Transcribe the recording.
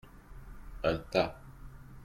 Un tas.